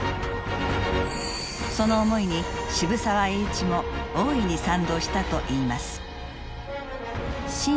その思いに渋沢栄一も大いに賛同したといいます。